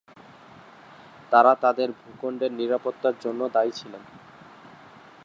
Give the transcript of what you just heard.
তারা তাদের ভূখন্ডের নিরাপত্তার জন্য দায়ী ছিলেন।